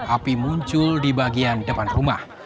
api muncul di bagian depan rumah